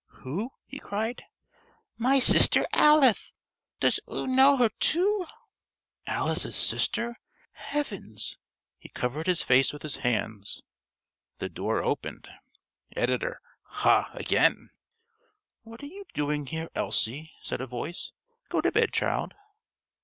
"Who?" he cried. "My sister Alith. Does oo know her too?" Alice's sister! Heavens! He covered his face with his hands. The door opened. (~Editor.~ Ha again!) "What are you doing here, Elsie?" said a voice. "Go to bed, child.